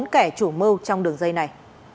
bốn kẻ chủ mưu trong đường dây này